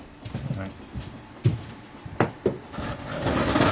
はい。